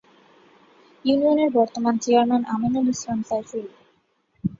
ইউনিয়নের বর্তমান চেয়ারম্যান আমিনুল ইসলাম সাইফুল।